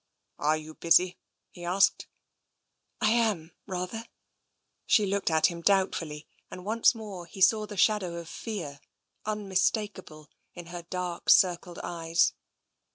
" Are you busy ?*' he asked. " I am, rather.'' She looked at him doubtfully, and once more he saw the shadow of fear, unmistakable, in her dark circled eyes.